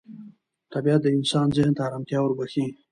طبیعت د انسان ذهن ته ارامتیا وربخښي